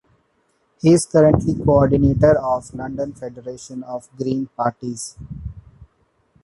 He is currently Co-ordinator of the London Federation of Green Parties.